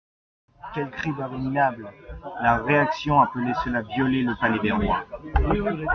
Quel crime abominable ! La réaction appelait cela violer le palais des rois.